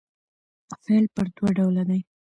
فعل پر دوه ډوله دئ.